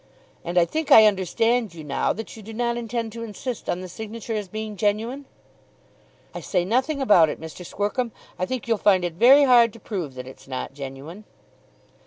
"And I think I understand you now that you do not intend to insist on the signature as being genuine." "I say nothing about it, Mr. Squercum. I think you'll find it very hard to prove that it's not genuine."